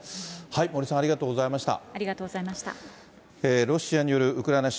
森さん、ありがとうございました。